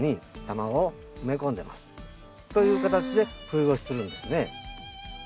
という形で冬越しするんですね。